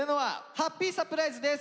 「ハッピーサプライズ」です。